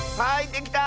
できた！